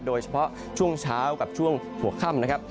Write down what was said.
โดยเฉพาะช่วงเช้ากับช่วงหัวค่ำนะครับ